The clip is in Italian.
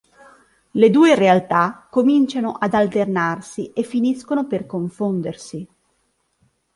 Le due realtà cominciano ad alternarsi e finiscono per confondersi.